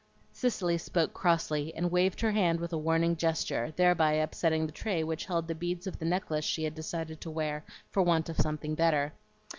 Cicely spoke crossly, and waved her hand with a warning gesture, thereby upsetting the tray which held the beads of the necklace she had decided to wear for want of something better.